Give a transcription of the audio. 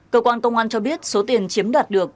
cơ quan công an cho biết số tiền chiếm đoạt được